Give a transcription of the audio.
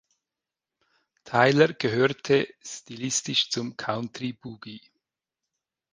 Tyler gehörte stilistisch zum Country Boogie.